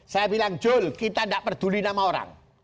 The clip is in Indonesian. saya bilang jul kita tidak peduli nama orang